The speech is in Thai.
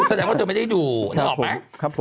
แสดงว่าเธอไม่ได้ดูนึกออกไหม